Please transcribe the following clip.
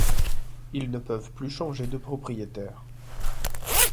Ils ne peuvent plus changer de propriétaires.